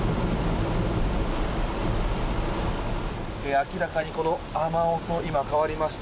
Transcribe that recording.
明らかに雨音が今、変わりました。